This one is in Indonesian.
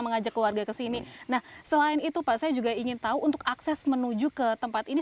mengajak keluarga ke sini nah selain itu pak saya juga ingin tahu untuk akses menuju ke tempat ini